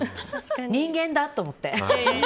人間だと思って。